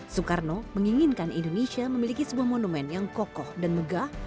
soekarno menginginkan indonesia memiliki sebuah monumen yang kokoh dan megah